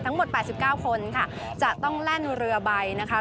ทั้งหมด๘๙คนค่ะจะต้องแล่นเรือใบนะคะ